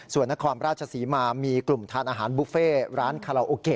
ส่วนนครราชศรีมามีกลุ่มทานอาหารบุฟเฟ่ร้านคาราโอเกะ